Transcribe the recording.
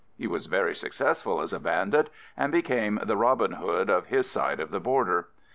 He was very successful as a bandit and became the "Robin Hood" of his side of the border.